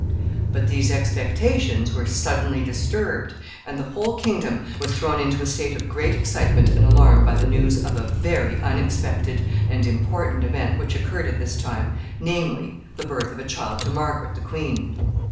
But these expectations were suddenly disturbed, and the whole kingdom was thrown into a state of great excitement and alarm by the news of a very unexpected and important event which occurred at this time, namely, the birth of a child to Margaret, the queen.